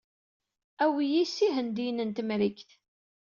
Awey-iyi s Ihendiyen n Temrikt.